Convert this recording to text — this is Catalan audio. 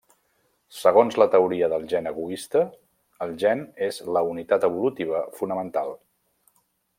Segons la teoria del gen egoista, el gen és la unitat evolutiva fonamental.